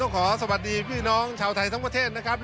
ขอสวัสดีพี่น้องชาวไทยทั้งประเทศนะครับ